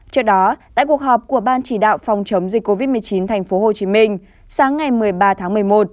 trước đó tại cuộc họp của ban chỉ đạo phòng chống dịch covid một mươi chín tp hcm sáng ngày một mươi ba tháng một mươi một